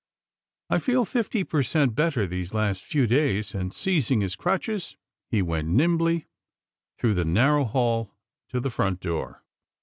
I feel fifty per cent, better these last few days," and, seizing his crutches, he went nimbly through the narrow hall to the front door.